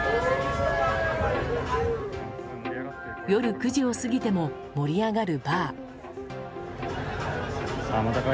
夜９時を過ぎても盛り上がるバー。